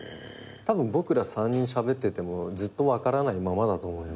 たぶん僕ら３人しゃべっててもずっと分からないままだと思います。